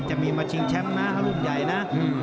จะมีมาชิงแชมป์นะรุ่นใหญ่นะ